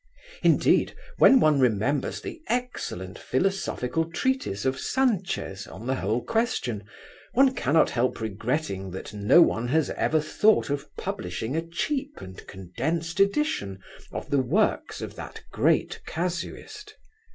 Indeed, when one remembers the excellent philosophical treatise of Sanchez on the whole question, one cannot help regretting that no one has ever thought of publishing a cheap and condensed edition of the works of that great casuist.